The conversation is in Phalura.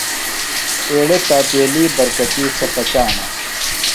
ایڑے تاپییلی برکتی سےۡ پچانہ۔